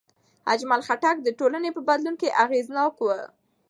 اجمل خټک د ټولنې په بدلون کې اغېزناک و.